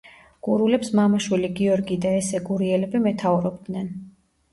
გურულებს მამა-შვილი გიორგი და ესე გურიელები მეთაურობდნენ.